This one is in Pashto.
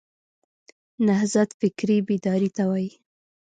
نهضت فکري بیداري ته وایي.